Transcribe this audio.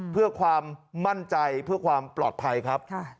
เพื่อความมั่นใจเพื่อความปลอดภัยครับ